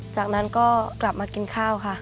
จากนั้นก็กลับมากินข้าวค่ะ